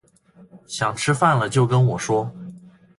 想吃饭了就跟我说